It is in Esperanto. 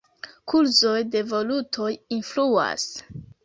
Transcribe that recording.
Kurzoj de valutoj influas.